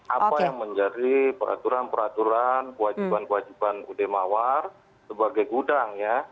apa yang menjadi peraturan peraturan kewajiban kewajiban ud mawar sebagai gudang ya